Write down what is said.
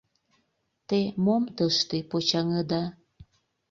— Те мом тыште почаҥыда?